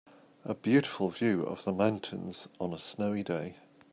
A beautiful view of the mountains on a snowy day.